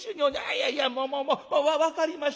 「いやいやもうもうもう分かりました。